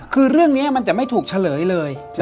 คือเรื่องนี้มันจะไม่ถูกเฉลยเลย